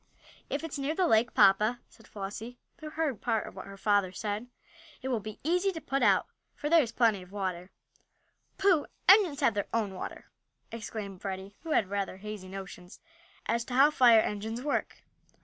"If it's near the lake, papa," said Flossie who heard part of what her father said, "it will be easy to put it out, for there is plenty of water." "Pooh! engines have their own water!" exclaimed Freddie, who had rather hazy notions as to how fire engines work.